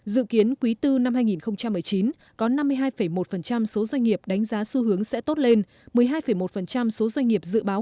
dự kiến quý bốn năm hai nghìn một mươi chín có năm mươi hai một số doanh nghiệp đánh giá xu hướng sẽ tốt lên một mươi hai một số doanh nghiệp dự báo